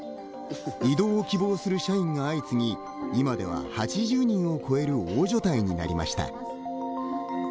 異動を希望する社員が相次ぎ今では８０人を超える大所帯になりました。